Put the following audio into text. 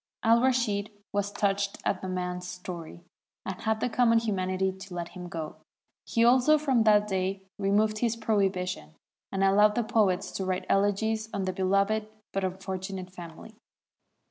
" Al Rashid was touched at the man's story, and had the common humanity to let him go ; he also from that day removed his prohibition, and allowed the poets to write elegies on the beloved but unfortunate family.